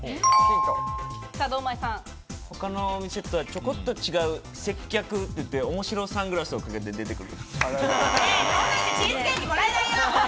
他のお店とはちょこっと違う接客といって、おもしろサングラスをかけて出てくる。